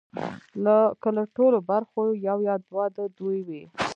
که له ټولو برخو یو یا دوه د دوی وي